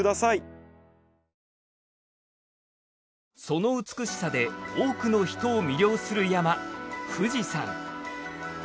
その美しさで多くの人を魅了する山富士山。